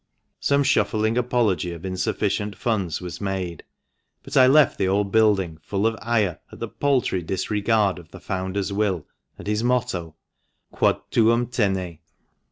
Some shuffling apology of insufficient iunds was made, but I left the old building full of ire at the paltry disregard of the Founder's will, and his motto. " Quad tuum tene."